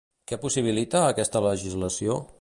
Què possibilita, aquesta legislació?